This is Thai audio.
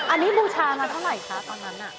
อันนี้บูชามาเท่าไหร่คะตอนนั้นน่ะ